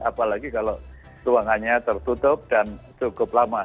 apalagi kalau ruangannya tertutup dan cukup lama